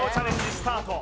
スタート